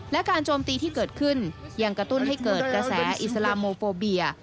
และการโจมตีที่เกิดขึ้นยังกระตุ้นให้เกิดกระแสอิสลาโมโปเบีย